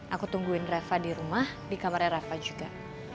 aku tungguin reva di rumah di kamarnya reva juga